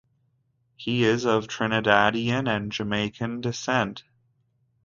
He is of Trinidadian and Jamaican descent.